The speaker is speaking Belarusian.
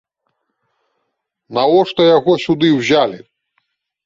Навошта яго сюды ўзялі?